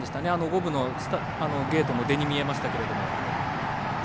五分のゲートの出に見えましたけど。